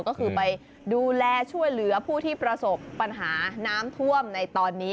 ก็คือไปดูแลช่วยเหลือผู้ที่ประสบปัญหาน้ำท่วมในตอนนี้